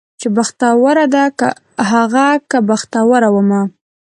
چې بختوره ده هغه که بختوره ومه